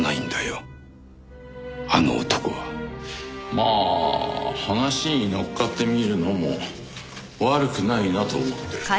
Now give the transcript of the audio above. まあ話に乗っかってみるのも悪くないなと思ってる。